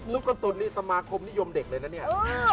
นุ้นคงตนลิตะมาคมนิยมเด็กเลยนะเนี่ย